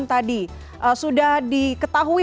tadi sudah diketahui